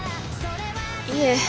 いえ。